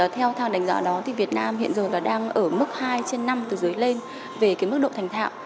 theo thang đánh giá đó việt nam hiện giờ đang ở mức hai trên năm từ dưới lên về mức độ thành thạo